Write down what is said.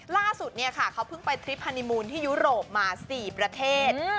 ล่าสุดเขาเพิ่งไปทริปฮานีมูลที่ยุโรปมา๔ประเทศ